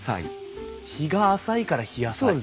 陽が浅いから「ひやさい」！